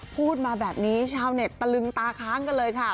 พูดมาแบบนี้ชาวเน็ตตะลึงตาค้างกันเลยค่ะ